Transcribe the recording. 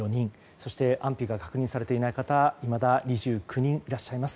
そして安否が確認されていない方がいまだ２９人いらっしゃいます。